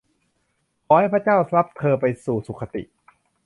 ขอให้พระเจ้ารับเธอไปสู่สุขคติ